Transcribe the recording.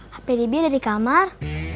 hp debbie ada di kamar